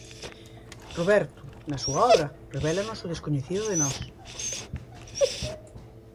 Roberto, na súa obra, revélanos o descoñecido de nós.